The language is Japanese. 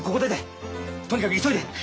とにかく急いで！